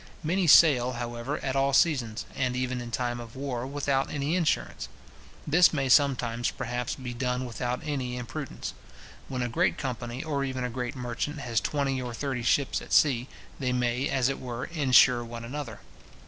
Many sail, however, at all seasons, and even in time of war, without any insurance. This may sometimes, perhaps, be done without any imprudence. When a great company, or even a great merchant, has twenty or thirty ships at sea, they may, as it were, insure one another.